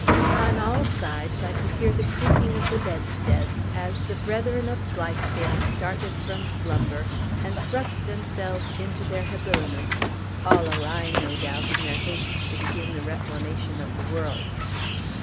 On all sides I could hear the creaking of the bedsteads, as the brethren of Blithedale started from slumber, and thrust themselves into their habiliments, all awry, no doubt, in their haste to begin the reformation of the world.